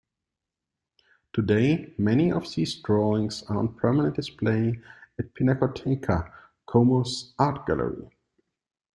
Today, many of these drawings are on permanent display at Pinacoteca, Como's art gallery.